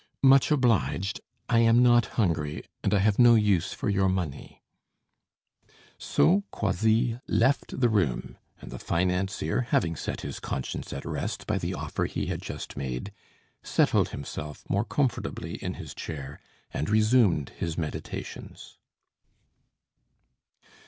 "Much obliged; I am not hungry, and I have no use for your money." So Croisilles left the room, and the financier, having set his conscience at rest by the offer he had just made, settled himself more comfortably in his chair, and resumed his meditations.